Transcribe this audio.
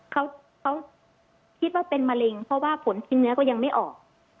เขาคิดว่าเป็นมะเร็งเพราะว่าผลชิ้นเนื้อก็ยังไม่ออก